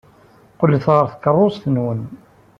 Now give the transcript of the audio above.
Qqlet ɣer tkeṛṛust-nwen!